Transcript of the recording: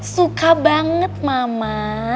suka banget mama